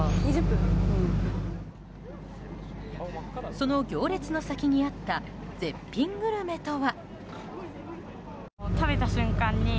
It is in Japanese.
その行列の先にあった絶品グルメとは。